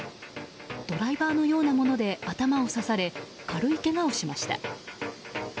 ドライバーのようなもので頭を刺され、軽いけがをしました。